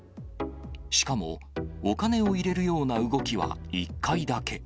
しかも、お金を入れるような動きは１回だけ。